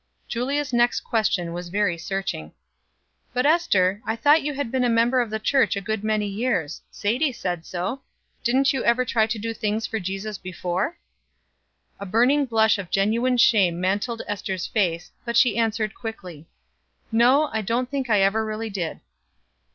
Julia's next question was very searching: "But, Ester, I thought you had been a member of the church a good many years. Sadie said so. Didn't you ever try to do things for Jesus before?" A burning blush of genuine shame mantled Ester's face, but she answered quickly: "No; I don't think I ever really did."